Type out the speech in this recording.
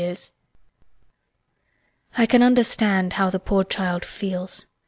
[A pause] I can understand how the poor child feels.